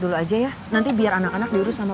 dulu aja ya nanti biar anak anak diurus sama